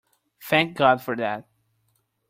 Thank God for that!